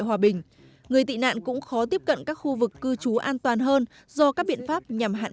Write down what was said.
hòa bình người tị nạn cũng khó tiếp cận các khu vực cư trú an toàn hơn do các biện pháp nhằm hạn